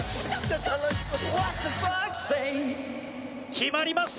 決まりました！